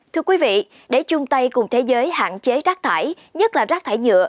thưa quý vị để chung tay cùng thế giới hạn chế rác thải nhất là rác thải nhựa